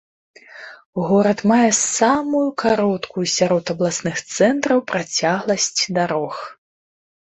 Горад мае самую кароткую сярод абласных цэнтраў працягласць дарог.